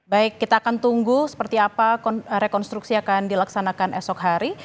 baik kita akan tunggu seperti apa rekonstruksi akan dilaksanakan esok hari